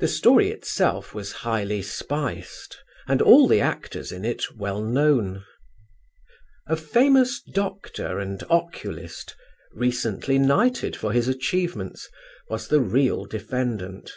The story itself was highly spiced and all the actors in it well known. A famous doctor and oculist, recently knighted for his achievements, was the real defendant.